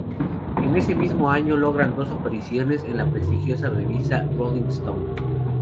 En ese mismo año logran dos apariciones en la prestigiosa revista "Rolling Stone".